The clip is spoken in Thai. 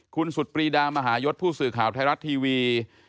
คุณสุดปรีดามหายศผู้สื่อข่าวไทยรัฐทีวี